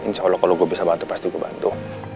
insya allah kalau gua bisa bantu pasti gua bantu